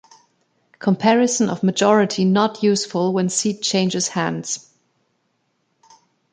Comparison of majority not useful when seat changes hands.